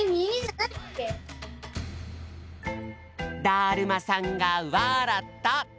だるまさんがわらった！